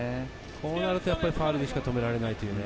こうなるとファウルでしか止められない。